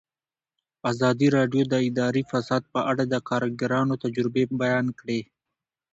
ازادي راډیو د اداري فساد په اړه د کارګرانو تجربې بیان کړي.